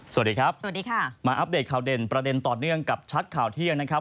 สวัสดีครับสวัสดีค่ะมาอัปเดตข่าวเด่นประเด็นต่อเนื่องกับชัดข่าวเที่ยงนะครับ